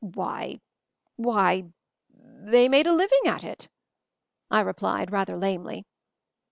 "Why — why — they made a living at it," I replied, rather lamely.